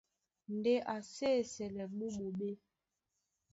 Ndé a sí esɛlɛ ɓó ɓoɓé.